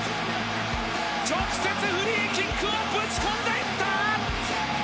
直接フリーキックをぶち込んでいった！